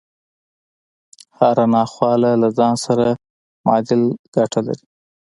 هره ناخواله له ځان سره معادل ګټه لري